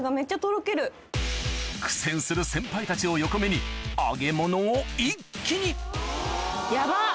苦戦する先輩たちを横目に揚げ物を一気にヤバっ